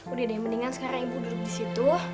udah deh mendingan sekarang ibu duduk disitu